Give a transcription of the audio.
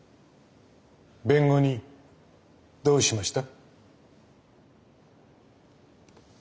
弁護人どうしました？